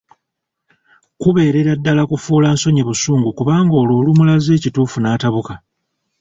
Kubeerera ddala kufuula nsonyi busungu kubanga olwo olumulaze ekituufu n'atabuka.